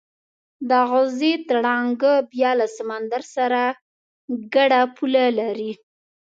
د غزې تړانګه بیا له سمندر سره ګډه پوله لري.